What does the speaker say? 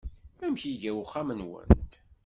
Amek iga uxxam-nwent?